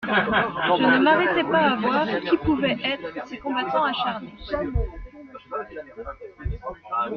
Je ne m'arrêtai pas à voir qui pouvaient être ces combattants acharnés.